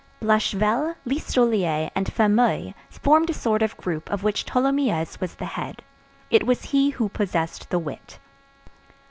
Blachevelle, Listolier, and Fameuil formed a sort of group of which Tholomyès was the head. It was he who possessed the wit.